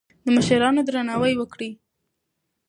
د مشرانو درناوی وکړئ.